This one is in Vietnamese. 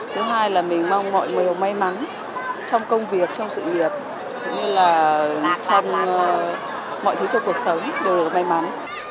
thứ hai là mình mong mọi người có may mắn trong công việc trong sự nghiệp cũng như là trong mọi thứ trong cuộc sống đều đều có may mắn